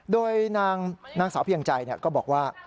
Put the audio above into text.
โดยนางสาวเพียงใจก็บอกว่า